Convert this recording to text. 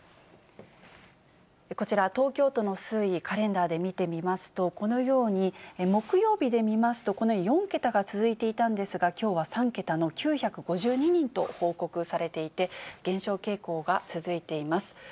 こちら、東京都の推移、カレンダーで見てみますと、このように木曜日で見ますと、このように４桁が続いていたんですが、きょうは３桁の９５２人と報告されていて、減少傾向が続いています。